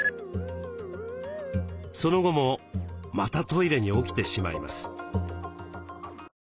その後もまたトイレに起きてしまいます。